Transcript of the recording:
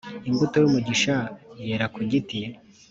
imbuto y'umugisha yera kugiti